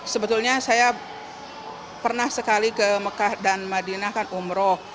sebetulnya saya pernah sekali ke mekah dan madinah kan umroh